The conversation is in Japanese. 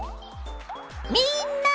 みんな！